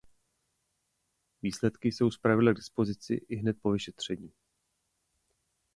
Výsledky jsou zpravidla k dispozici ihned po vyšetření.